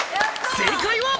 正解は。